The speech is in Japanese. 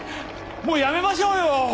もうやめましょうよ！